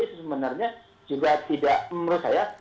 itu sebenarnya juga tidak menurut saya